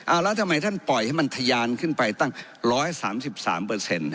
อ้าวแล้วทำไมท่านปล่อยให้มันทะยานขึ้นไปตั้ง๑๓๓ครับ